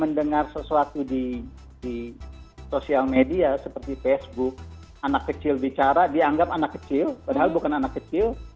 mendengar sesuatu di sosial media seperti facebook anak kecil bicara dianggap anak kecil padahal bukan anak kecil